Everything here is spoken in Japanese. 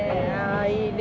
あいいね。